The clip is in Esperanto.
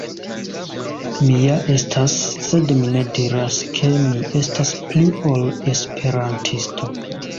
Mi ja estas, sed mi ne diras ke mi estas pli ol Esperantisto.